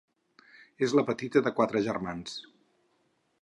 És la petita de quatre germans.